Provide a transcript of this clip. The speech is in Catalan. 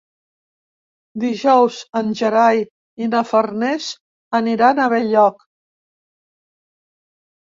Dijous en Gerai i na Farners aniran a Benlloc.